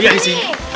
iya di sini